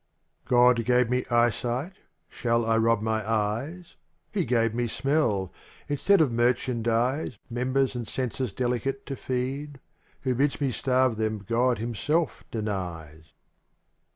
^OD gave me eyesight — shall I rob my eyes? He gave me smell — instead of merchandise — Members and senses delicate to feed ; Who bids me starve them God himself denies.